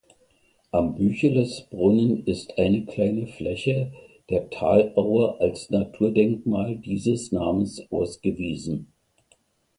Am Büchelesbrunnen ist eine kleine Fläche der Talaue als Naturdenkmal dieses Namens ausgewiesen.